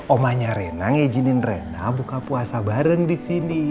omanya rena ngijinin rena buka puasa bareng di sini